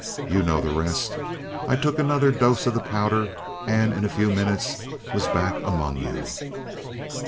You know the rest. I took another dose of the powder, and in a few minutes was back among you."